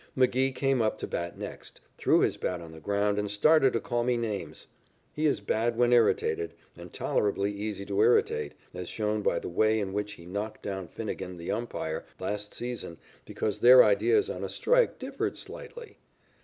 Magee came up to bat next, threw his hat on the ground, and started to call me names. He is bad when irritated and tolerably easy to irritate, as shown by the way in which he knocked down Finnegan, the umpire, last season because their ideas on a strike differed slightly.